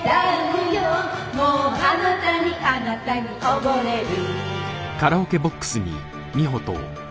「もうあなたにあなたにおぼれる」